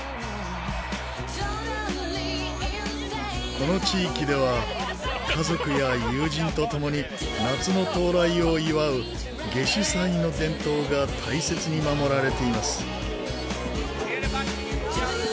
この地域では家族や友人と共に夏の到来を祝う夏至祭の伝統が大切に守られています。